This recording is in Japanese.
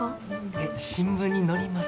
えっ新聞に載ります？